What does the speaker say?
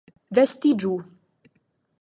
Vestiĝu!